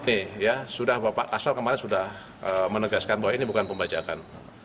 ini ya sudah bapak kasal kemarin sudah menegaskan bahwa ini bukan pembajakan